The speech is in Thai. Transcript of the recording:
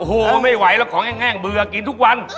โอ้โหไม่ไหวแล้วของแห้งเบื่อกินทุกวัน